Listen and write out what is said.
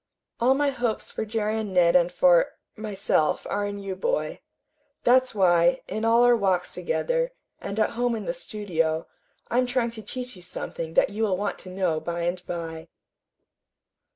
All my hopes for Jerry and Ned and for myself are in you, boy. That's why, in all our walks together, and at home in the studio, I'm trying to teach you something that you will want to know by and by."